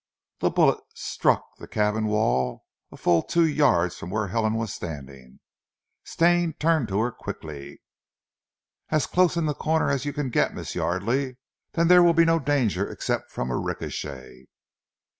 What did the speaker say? The bullet struck the cabin wall a full two yards from where Helen was standing. Stane turned to her quickly. "As close in the corner as you can get, Miss Yardely; then there will be no danger except from a ricochet."